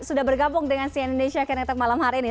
sudah bergabung dengan cnn indonesia ktk malam hari ini